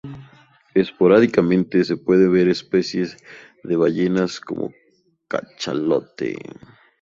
Esporádicamente se pueden ver especies de ballenas como cachalote.